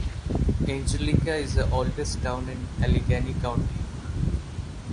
Angelica is the oldest town in Allegany County.